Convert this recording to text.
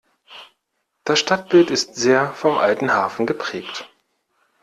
Das Stadtbild ist sehr vom alten Hafen geprägt.